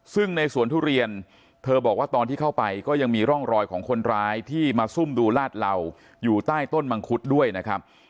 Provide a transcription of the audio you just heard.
ซึ่งในสวนทุเรียนเธอบอกว่าตอนที่เข้าไปก็ยังมีร่องรอยของคนร้ายที่มาซุ่มดูลาดเหล่าอยู่ใต้ต้นมังคุดด้วยนะครับ